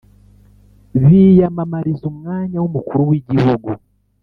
biyamamariza umwanya w’umukuru w’igihugu